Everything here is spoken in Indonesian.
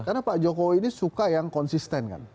karena pak jokowi ini suka yang konsisten kan